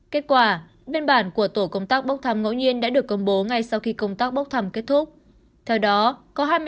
kết quả biên bản của tổ công tác bốc thăm ngẫu nhiên đã được công bố ngay sau khi công tác bốc thăm kết thúc